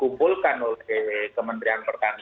kumpulkan oleh kementerian pertanian